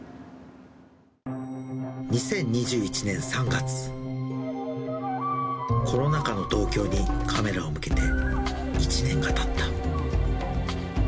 ２０２１年３月、コロナ禍の東京にカメラを向けて、１年がたった。